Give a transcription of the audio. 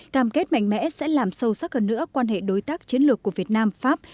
cam kết mạnh mẽ sẽ làm sâu sắc hơn nữa quan hệ đối tác chiến lược của việt nam pháp